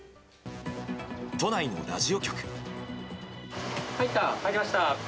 都内のラジオ局。